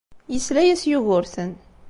Yesla-as Yugurten.